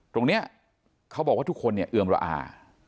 ตรงนี้เขาบอกว่าทุกคนเนี่ยเอือมระอา